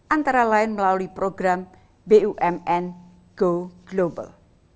antara lain melalui program bumn go global